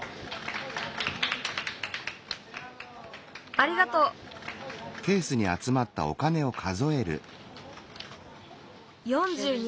ありがとう！４２